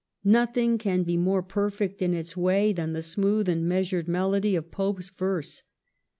Nothing can be more perfect in its way than the smooth and measured melody of Pope's verse.